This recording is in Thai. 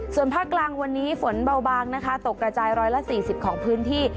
ส่วนภาครั้งวันนี้ฝนเบาบางนะคะเป็นภาคร่ายละ๔๐ของพื้นที่